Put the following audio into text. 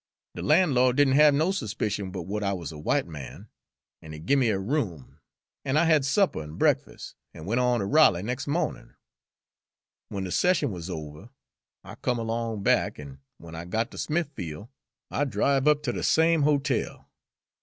De lan'lo'd did n' have no s'picion but what I wuz a white man, an' he gimme a room, an' I had supper an' breakfas', an' went on ter Rolly nex' mornin'. W'en de session wuz over, I come along back, an' w'en I got ter Smithfiel', I driv' up ter de same hotel.